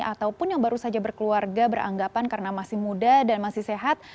ataupun yang baru saja berkeluarga beranggapan karena masih muda dan masih sehat